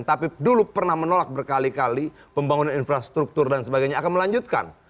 tapi dulu pernah menolak berkali kali pembangunan infrastruktur dan sebagainya akan melanjutkan